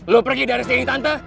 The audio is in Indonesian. lo pergi dari sini tante